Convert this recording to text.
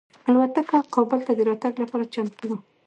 الوتکه کابل ته د راتګ لپاره چمتو وه.